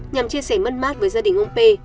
nhằm chia sẻ mất mát với gia đình ông p